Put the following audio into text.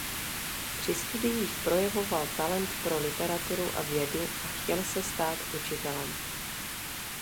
Při studiích projevoval talent pro literaturu a vědu a chtěl se stát učitelem.